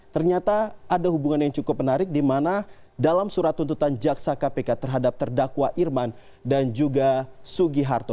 ternyata ada hubungan yang cukup menarik di mana dalam surat tuntutan jaksa kpk terhadap terdakwa irman dan juga sugiharto